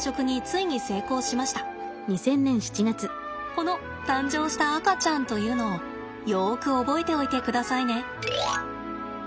この誕生した赤ちゃんというのをよく覚えておいてくださいね。